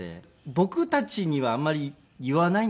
僕たちにはあんまり言わないんですよね。